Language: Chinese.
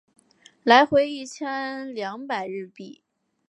来回一千两百日币